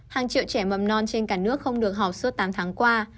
hàng triệu trẻ mầm non trên cả nước không được học suốt tám tháng qua